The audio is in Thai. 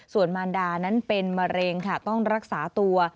ส่วนมารดานั้นเป็นมะเร็งค่ะต้องรักษาตัว